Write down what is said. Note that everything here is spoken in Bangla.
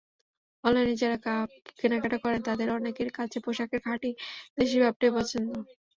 অনলাইনে যাঁরা কেনাকাটা করেন, তাঁদের অনেকের কাছে পোশাকের খাঁটি দেশি ভাবটাই পছন্দ।